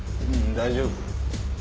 大丈夫。